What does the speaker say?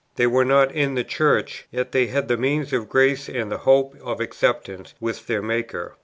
They were not in the Church, yet they had the means of grace and the hope of acceptance with their Maker.